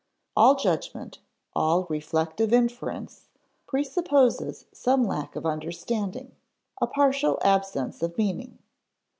All judgment, all reflective inference, presupposes some lack of understanding, a partial absence of meaning.